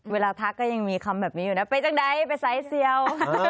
ทักก็ยังมีคำแบบนี้อยู่นะไปจากไหนไปสายเซียว